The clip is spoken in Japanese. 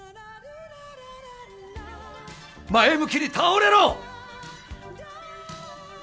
前向きに倒れろ！